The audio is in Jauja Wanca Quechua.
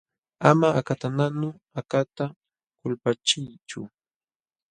Ama akatanqanu akata kulpachiychu.